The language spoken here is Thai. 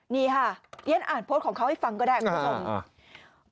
นี่ค่ะเรียนอ่านโพสต์ของเขาให้ฟังก็ได้คุณผู้ชม